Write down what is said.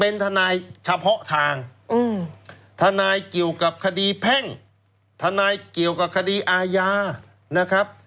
เป็นทนายเฉพาะทางทนายเกี่ยวกับคดีแพ่งทนายเกี่ยวกับคดีอาญานะครับ